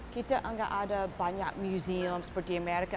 kita nggak ada banyak museum seperti amerika